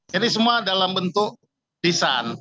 jadi semua dalam bentuk lisan